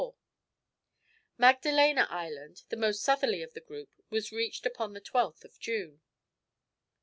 Magdalena Island, the most southerly of the group, was reached upon the 12th of June.